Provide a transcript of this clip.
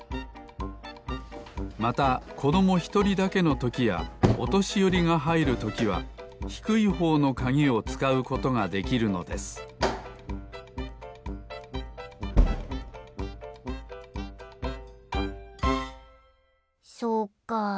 またこどもひとりだけのときやおとしよりがはいるときはひくいほうのかぎをつかうことができるのですそうか。